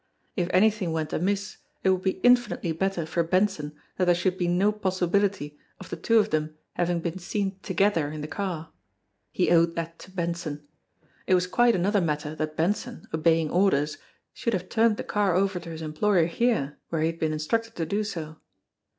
If anything went amiss, it would be infinitely better for Benson that there should be no possibility of the two of them having been seen together in the car. He owed that to Benson. It was quite another matter that Benson, obeying orders, should have turned the car over to his employer here where he had been instructed to do so.